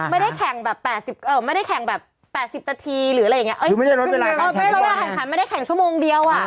ไม่ได้แข่งแบบ๘๐นาทีไม่ได้แข่งชั่วโมงเดียว